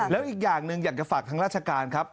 แล้วอีกอย่างหนึ่งอยากจะฝากทางราชการครับ